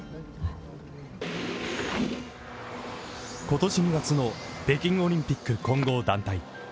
今年２月の北京オリンピック混合団体。